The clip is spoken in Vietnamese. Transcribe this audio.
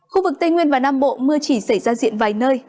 khu vực tây nguyên và nam bộ mưa chỉ xảy ra diện vài nơi